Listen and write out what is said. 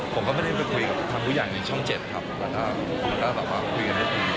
ผมก็ไม่ได้ไปคุยกับคุณผู้ใหญ่ในช่อง๗ครับแล้วก็คุยกันได้ดี